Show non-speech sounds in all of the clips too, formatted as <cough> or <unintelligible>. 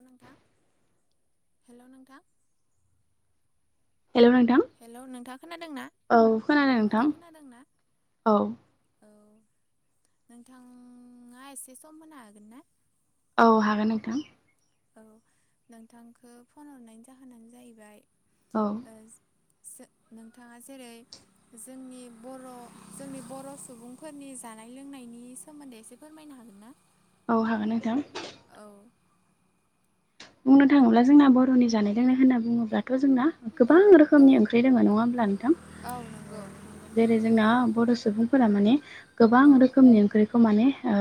<unintelligible> हेल' नोंंथां हेलौ नोंथां ना औ औ खोनादों नोंथां नोंथाङा खोनादों ना औ औ नोंथाङा एसे सम होनो हागोन ना औ हागोन नोंथां औ नोंथांखो फन हरनायनि जाहोनानो जायैबाय औ जो नोंथाङा जेरै जोंनि बर' जोंनि बर' सुबुंफोरनि जानाय जानाय लोंनायनि सोमोन्दै एसे फोरमायनो हागोन ना औ हागोन नोंथां औ बुंनो थाङोब्ला जोंना बर'नि जानाय लोंनाय होनना बुङोब्लाथ' जोंना गोबां औ औ रोखोमनि ओंख्रि दोङो नङा होमब्ला नोंथां औ ओ नंगौ नंगौ जेरै जोंना बर' सुबुं फोरा माने गोबां औ रोखोमनि ओंख्रिखौ माने ओ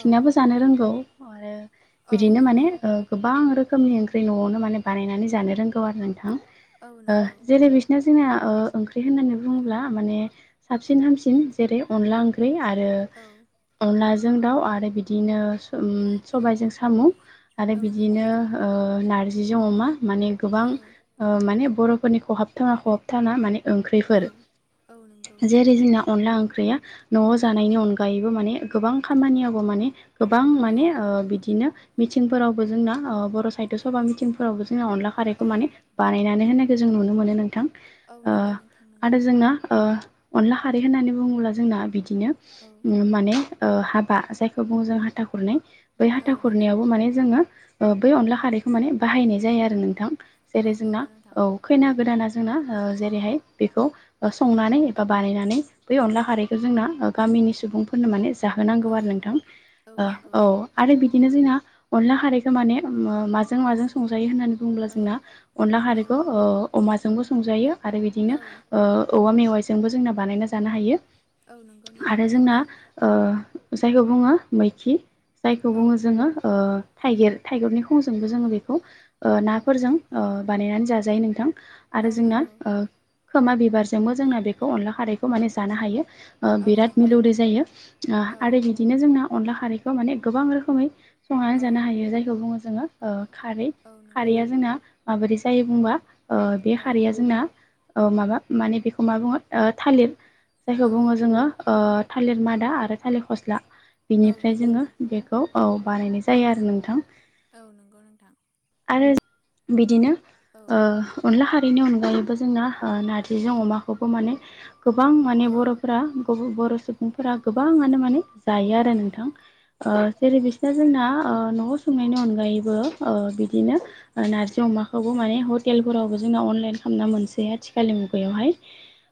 औ जानो रोंगौ आरो औ बिदिनो माने नंगौ ओ गोबां रोखोमनि ओंख्रि न'आवनो माने बानायनानै जानो रोंगौ आरो नोंथां औ ओ नंगौ जेरै बिसिना जोंना ओ ओंख्रि होननानै बुङोब्ला माने साबसिन हामसिन जेरै अनला ओंख्रि आरो औ अनलाजों दाउ आरो बिदिनो उम सबायजों सामु औ बिदिनो नंगौ ओ नारजिजों अमा माने गोबां औ माने बर'फोरनि खहाबथावना खहाबथावना माने औ ओंख्रैफोर औ नंगौ जेरै जोंना अनला ओंख्रि या न'आव औ जानायनि अनगायैबो माने गोबां खामानियावबो माने गोबां औ माने ओ बिदिनो मिथिंफोरावबो जोंना बर' साहित्य सभा मिथिंफोरावबो जों जोंना अनला खारैखौ औ माने बानायनानै होननायखौ जों नुनो मोनो नोंथां औ ओ नंगौ नोंथां नंगौ आरो जोंना ओ अनला हारै होननानै बुङोब्ला जोंना बिदि औ बिदिनो माने ओ हाबा जायखौ बुङो जों हाथा खुरनाय बै औ हाथा नंगौ खुरनायावबो माने जोङो ओ बै अनला खारैखौ माने बाहायनाय जायो आरो नोंथां औ जेरै जोंना नंगौ नोंथां औ खैना गोदाना जोंना ओ जेरैहाय बेखौ संनानै एबा बानायनानै बै अनला खारैखौ जोंना ओ गामि नि सुबुंफोरनो माने जाहोनांगौ औ आरो नोंथां ओ औ आरो बिदिनो जोंना अनला खारै माने माजों माजों संजायो होननानै बुङोब्ला औ जोंना अनला औ खारैखौ अ अमा जोंबो संजायो आरो बिदिनो औ ओ औवा मेवाइजोंबो जोंना बानायना जानो हायो औ नंगौ नोंथां आरो जोंना ओ जायखौ बुङो मैखि जायखौ औ बुङो जोङो ओ थाइगिर थाइगुरनि खंजोंबो जोङो बेखौ ओ नाफोरजों ओ बानायनानै जाजायो नोंथां आरो औ जोंना नंगौ खोमा बिबारजोंबो जोंना बेखौ अनला खारैखौ माने जानो हायो ओ औ बिराद नंगौ मिलौदो जायो औ आरो बिदिनो जोंना अनला खारैखौ माने गोबां रोखोमै संनानै औ जानो हायो जायखौ बुङो जोङो ओ खारै औ नंगौ खारैया जोंना माबोरै जायो बुंबा बे औ खारैया जोंना औ माबा माने बेखौ मा बुङो थालिर जायखौ औ बुङो जोङो ओ थालिर मादा आरो थालिर फस्ला औ बिनिफ्राय नंगौ जोङो बेखौ औ बानायनाय जायो आरो नोंथां औ नंगौ नोंथां आरो बिदिनो औ ओ अनला खा रैनि अनगायैबो जोंना नार्जिजों अमाखौबो माने गोबां माने औ बर'फोरा बर' सुबुंफोरा गोबाङानो माने जायो आरो नोंथां औ ओ जेरै बिसोर जोंना ओ न'आव संनायनि अनगायैबो बि दिनो ओ नारजि अमाखौबो माने हटेलफोरावबो जोंना अनलाइन खालामना मोनसै आथिखालनि मुगायावहाय।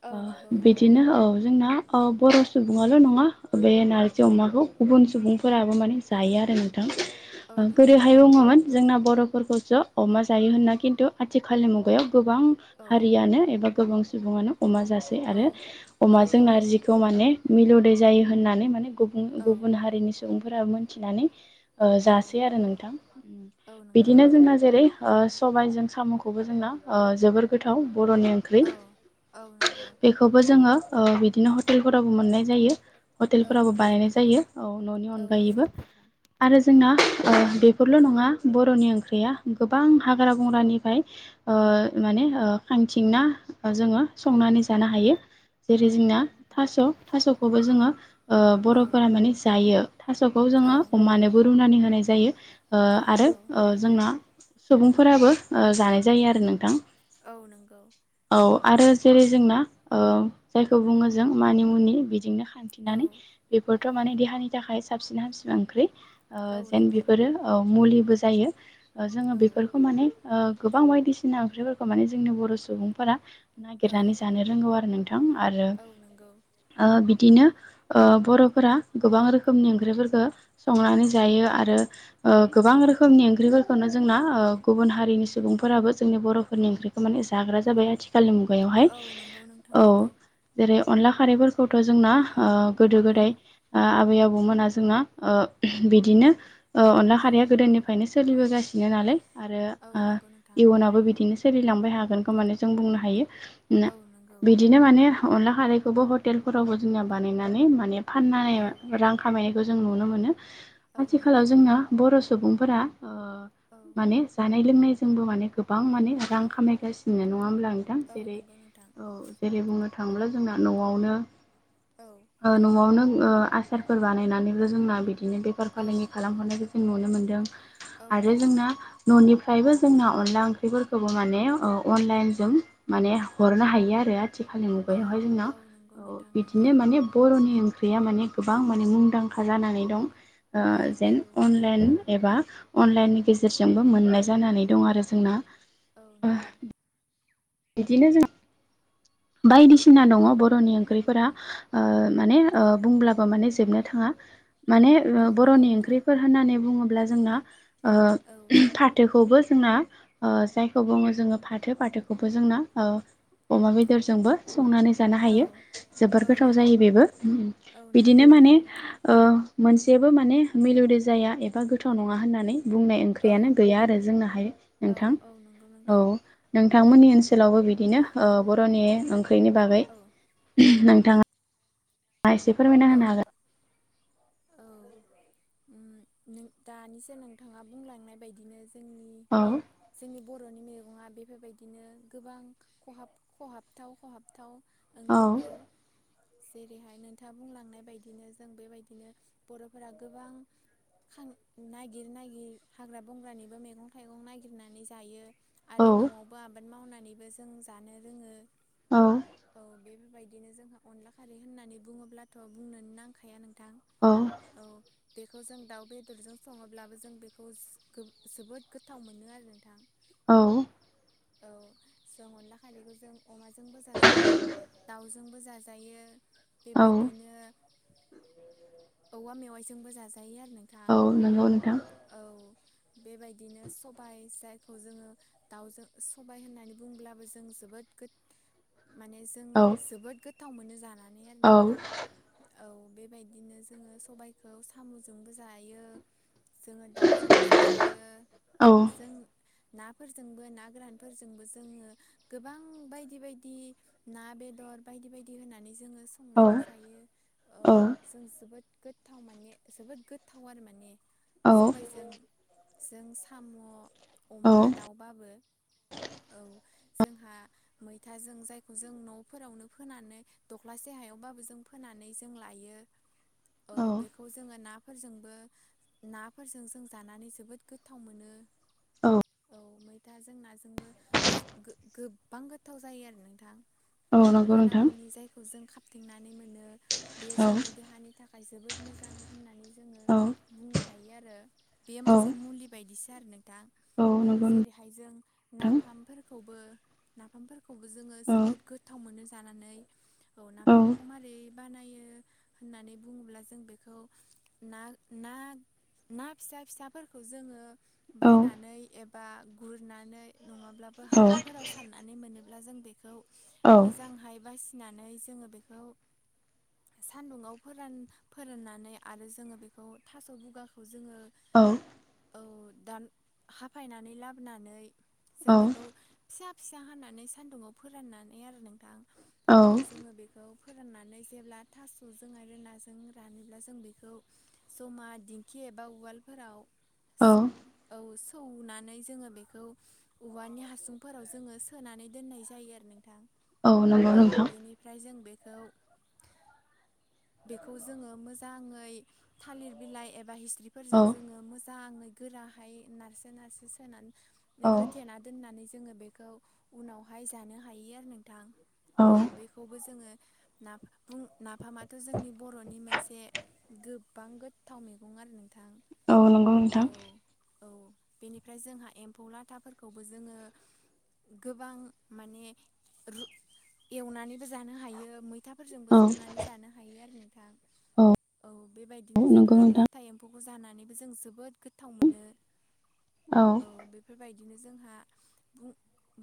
औ नंगौ ओ बिदिनो औ जोंना अ बर' सुबुल' नङा बे नारजि अमाखौ गुबुन सुबुंफोराबो माने जायो आ आरो नोंथां। औ ओ नंगौ गोदोहाय नोंथां बुङोमोन जोंना बर'फोरखौस' अमा जायो होनना खिन्थु आथिखालनि मुगायाव गोबां औ हारियानो एबा गोबां सुबुङानो अमा जासै औ आरो औ अमाजों नंगौ नारजिखौ माने मिलौदो जायो होननानै माने गुबुं औ गुबुन हारिनि सुबुंफोरा मोनथिनानै ओ औ जासै आरो नोंथां। औ नंगौ बिदिनो नोंथां जोंना जेरै ओ सबायजों साम'खौबो जोंना ओ जोबोर गोथाव बर'नि ओंख्रि। औ औ नंगौ बेखौबो जोङो ओ बिदिनो हटेलफोरावबो मोननाय जायो। औ हटेलफोरावबो नंगौ बानायनाय जायो औ न'नि औ अनगायैबो नंगौ नोंथां आरो जोंना अ बेफोरल' नङा बर'नि ओंख्रिया गोबां हाग्रा बंग्रानिफाय ओ औ माने ओ खांथिंना ओ जोङो संनानै जानो हायो। औ जेरै जोंना नंगौ नोंथां। थास' थास'खौबो जोङो ओ औ बर'फोरा माने जायो थास'खो औ जोङो अमानोबो रुनानै होनाय जायो। औ नोंगौ। ना सुबुंफोराबो ओ जानाय जायो आरो नोंथां। औ नोंगौ। औ आरो जेरै जोंना ओ जायखौ बुङो जों मानि मुनि बिदिनो औ खांथिंनानै बेफोरथ' माने देहानि थाखाय साबसिन हामसिन ओंख्रि। औ ओ जेन नंगौ बेफोरो औ मुलिबो जायो ओ जोङो औ बेफोरखौ माने ओ गोबां बायदिसिना ओंख्रिफोरखौ माने जोंनि बर' सुबुंफोरा औ नागिरनानै जानो रोंगौ आरो नोंथा थां आरो औ नंगौ ओ बि दिनो ओ बर'फोरा गोबां रोखोमनि ओंख्रिफोरखो संनानै जायो आरो ओ औ गोबां रो ख्रिफोरखोनो जोंना ओ गुबुन हारिनि सुबुंफोराबो जोंनि बर'फोरनि ओंख्रिखो माने जाग्रा जाबाय आथि खालनि मुगायावहाय औ नंगौ नोंथां औ नंगौ जेरै अनला खारैफोरखौथ' जोंना ओ गोदो औ गोदाय ओ आबै आबौमोना जोंना ओ बिदिनो ओ अनला औ खारैया गोदोनिफ्रायनो सोलिबोगासिनो नालाय आरो औ ओ नंगौ नोंथां इयुनावाबबो बिदिनो सोलिलांबाय हागोनखौ माने जों बुंनो हायो ना औ नंगौ बिदिनो माने अनला खारैखौबो हटेलफोरावबो जोनिया बानायनानै माने फाननाय औ रां खामायनाय बो जों नुनो मोनो। औ आथिखालाव नंगौ जोंना बर' सुबुंफोरा ओ औ माने जानाय-लोंनायजोंबो माने गोबां माने रां खामायगासिनो नङा होमब्ला नोंथां औ जेरै नंगौ नोंथां ओ जेरै बुंनो थाङोब्ला जोंना न'आवनो औ ओ न'आवनो ओ आसारफोर बानायनानैबो जोंना बिद दिनो बेफार औ फालांगि खालामहरनायबो जों नुनो मोनदों औ आरो नंगौ जोंना न'नि फ्रायबो जोंना अनला ओंख्रिफोरखौबो माने ओ अनलाइनजों माने हरनो हायो आरो। आथिखालनि औ मुगायावहाय जोंना औ नंगौ औ नोंथां नंगौ बिदिनो माने बर'नि ओं ख्रिया माने गोबां माने मुंदांखा जानानै दं औ ओ जेन नंगौ नोंथां अनलेन एबा अनलाइननि गेजेरजोंबो मोननाय जानानै दं आरो जोंना। औ ओ नोंगौ। बिदिनो जों बायदिसिना दङ' औ बर'नि ओंख्रिफोरा ओ माने ओ औ बुंब्लाबो माने जोबनो थाङा माने औ ओ नंगौ बर'नि नोंथां ओंख्रिफोर होननानै बुङो ब्ला जोंना ओ औ फाथोखोबो जोंना ओ जायखौ बुङो जोङो फाथो फाथोखौबो जोंना ओ अमा बे दरजोंबो संनानै जानो औ हायो जोबोर औ गोथाव नंगौ जायो बेबो। औ बिदिनो नंगौ माने नोंथां ओ मोनसेबो माने मिलौदो जाया एबा गोथाव नङा होननानै बुंनाय औ ओंख्रियानो गैया आरो जोंनाहाय औ नोंथां औ नंगौ औ नोंथां नोंथांमोननि ओनसो सोलावबो बिदिनो ओ बर'नि ओंख्रिनि बागै औ नोंथा ङा एसे फोरमायना औ होनो हागोन। औ उम नों दानिसो नोंथाङा बुंलांनाय बायदिनो जोंनि हागोन जोंनि बर'नि मे गङा बेफोरबायदिनो गोबां खहाब खहाबथाव खहाबथाव औ ओंख्रिफोर जेरैहाय नोंथाङा बुंलांनाय बायदिनो जों बेबायदिनो बर'फोरा गोबां खां नागिर नागिर हाग्रा बंग्रानि बो मेगं थाइगं नागिनानै जायो औ आरो न'आवबो आबाद मावनानैबो जों जानो रोङो औ। बेफोरबायदिनो जोंहा अनला खारै होननानै बुङोब्लाथ' बुंनोनो नांखाया नोंथां। औ। बेखौ जों दाउ बेदरजों सङोब्लाबो जों बेखौ गो जोबोद गोथाव मोनो आरो नोंथां। औ औ जों अनला खारदैखौ जों अमाजोंबो जाजायो दाउजोंबो जाजायो औ बेबायदिनो <inaudible> औवा मेवाइजोंबो जाजायो आरो नोंथां औ नंगौ नोंथां औ। बेबायदिनो सबाय जायखौ जोङो दाउजों सबाय होननानै बुंब्लाबो जों जोबोद गो माने जों जोबोद गोथाव मोनो जाना अं औ बेबायदिनो जोङो सबायखौ साम'जोंबो जायो। जोङो दाउजोंबो जाजायो औ जों नाफोरजोंबो ना गोरानफोरजोंबो जोङो गोबां बायदि बायदि ना बेद दर बायदि बायदि होननानै जोङो औ संनानै जायो औ जों जोबोद गोथाव माने जोबोद गोथाव आरो माने। औ सबायजों जों साम' औ अमा दाउबाबो औ जोंहा मैथाजों जायखौ जों न'फोरावनो फोनानै दख्लासे हायावबाबो जों फोनानै जों लायो। औ बेखौ जोङो ना फोरजोंबो नाफोरजों जों जानानै जोबोद गोथाव मोनो औ। औ मैथा जों नाजोंबो गो-गोबां गोथाव जायो आरो नोंथां। औ नंगौ माना नोंथां मुनि जायखौ जों खाबथेंनानै मोनो बेयो औ जोंनि देहानि थाखाय जोबोद मोजां होननानै जोङो औ बुंनो हायो आरो बेयो औ मोनसे मुलि बायदिस सो आरो नोंथां औ जेरैहाय जों नोंथां नाफामफोरखौबो नाफामफोर खौबो जोङो औ जोबोद गोथाव मोनो जानानै औ नाफामखौ मारै बानायो होननानै बुङोब्ला जों बेखौ ना ना ना फिसा फिसाफोरखौ जोङो औ बायनानै एबा गुरनानै नङाब्लाबो औ हाखरफोराव सारनानै मोनो ब्ला जों बेखौ मोजांहाय बासिनानै जोङो बेखौ सान्दुङाव फोरान फोराननानै आरो जोङो बेखौ थास' बुगाखौ जोङो औ दान हाफायनानै लाबोनानै जों बेखौ फिसा फिसा हानानै सान्दुङाव फोराननानै आरो नोंथां औ जोङो बेखौ फोराननानै जेब्ला थास'जों आरो नाजों रानोब्ला जों बेखौ जमा दिंखि एबा उवालफोराव औ सो औ सो सौनानै जोङो बेखौ उवानि हासुंफोराव जोङो सोनानै दोननाय जायो आरो नोंथां। नंगौ औ नोंथां बेनिफ्राय जों बेखौ बेखौ जोङो मोजाङै थालिर बिलाइ एबा हिस औ द्रिफोरजों जोङो मोजाङै गोराहाय नारसो नारसो सोनान औ होथेना दोननानै जोङो बेखौ उनावहाय जानो हायो आरो नों थां औ बेखौबो जोङो ना बुं फामाथ' जोंनि बर'नि मोनसे गोबां गोथाव मेगं आरो नों औ नंगौ नोंथां। औ बेनिफ्राय जोंहा एम्फौ लाथाफोरखौबो जोङो गोबां माने रु एवनानैबो जानो हायो मैथाफोर औ संनानै जानो हायो आरो नोंथां औ बेबायदिनो नंगौ जोंहा नोंथां लाथा एम्फौ जानानैबो जों जोबोद गोथाव मोनो। औ बेफोरबाय दिनो जोंहा बुं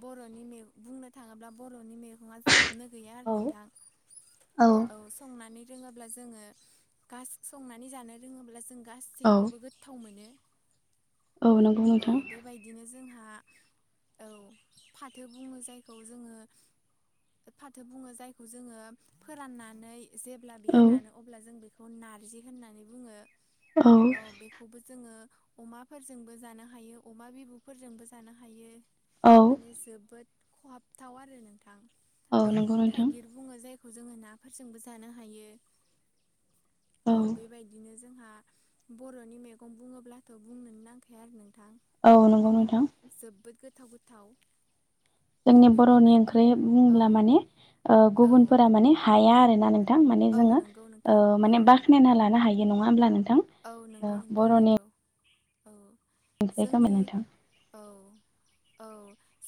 बर'नि मे बुंनो थाङोब्ला बरनि मेगङा जोब नो गैया आरो औ नोंथां। औ संनानै रोङोब्ला जोङो गास संनानै जानो रोङोब्ला जों औ गासैखौबो गोथाव मोनो। औ नंगौ नोंथां। बेबायदिनो आ जोंहा औ औ फाथो बुङो जायखौ जोङो। फाथो बुङो जायखौ जोङो फोराननानै जेब्ला बेयो औ रानो अब्ला जों बेखौ नारजि होननानै बुङो। औ बेखौबो जोङो अमाफोरजोंबो जानो हायो अमा बिबुफोरजोंबो जानो हायो। औ माने जोबोद खहाबथाव आरो नोंथां औ नंगौ नोंथां थाइगिर बुङो जाय खौ जोङो नाफोरजोंबो जानो हायो औ बेबायदिनो जोंहा बरनि मेगं बुङोब्लाथ बुंनोनो नांखाया आरो नों औ नंगौ नोंथां। गोथाव गोथाव औ जोंनि बरनि बेफोरबायदि ओंख्रि औ बुंब्ला माने ओ औ गुबुनफोरा माने हाया आरोना नों थां माने औ जोङो नंगौ नोंथां ओ औ माने बाखनायना लानो हायो। नङा होमब्ला नों औ नोंगौ नोंथां नोंगौ औ ओंख्रिखौ जोंनि नोंथां औ औ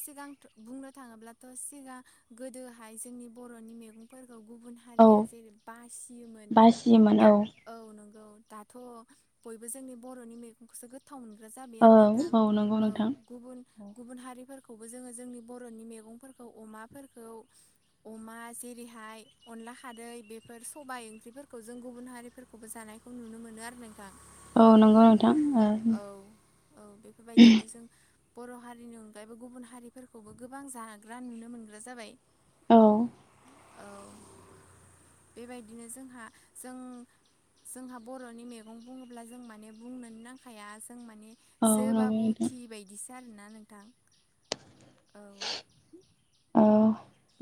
सिगां बुंनो थाङोब्लाथ सिगा गोदोहाय जोंनि बर'नि मेगंफोर औ गुबुन औ हारिया जेरै बासियोमोन दा औ नोंगौ दाथ बयबो जोंनि बरनि मेगंखोसो गोथाव मोनग्रा जाबाय औ आरो नोंथां। नंगौ औ नोंथां गुबुन गुबुन हारिफोर खौबो जोङो जोंनि बरनि मैगंफोरखौ अमाफोरखौ अमा जेरैहाय अनला खादै बेफोर सबाय ओंख्रिफोरखौ जों गुबुन हारिफोरखौबो जानाय खौ नुनो मोनो आरो नोंथां। औ नोंगौ नों औ औ बेफोरबायदिनो जों बर' हारिनि अनगायैबो गुबुन हारिफोरखौबो गोबां जाग्रा नुनो मोनग्रा जाबाय। औ औ बेबायदिनो जोंहा जों जोंहा बरनि मेगं बुङोब्ला जों माने बुंनोनो नां खाया जों माने नंगौ जोबाबो नोंथां उथियि बायदिस आरोना नोंथां औ अ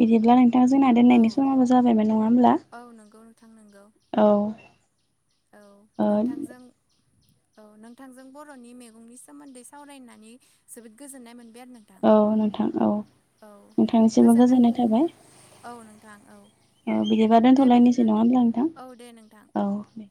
बिदिब्ला नों नोंथां जोंना औ दोननायनि समाबो जाबायमोन नङा होमब्ला! औ नंगौ नोंथां नंगौ औ औ ओ नोंथांजों औ नोंथांजों बरनि मेगंनि सोमोन्दै सावरायनानै जोबोद गोजोननाय मोन औ नोंथां औ नोंथांनिसिमबो गोजोननाय थाबाय। औ नोंथां औ। औ बिदिबा दे दोनथ'लायनोसै बिदिब्ला नङा नोंथा होमब्ला नोंथां औ दे नोंथां। औ दे